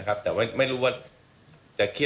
นะครับหรือว่าอะไรที่